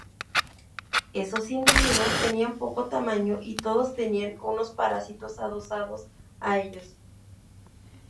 Esos individuos tenían poco tamaño, y todos tenían unos parásitos adosados a ellos.